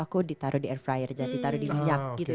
aku ditaruh di air fryer jadi ditaruh di minyak gitu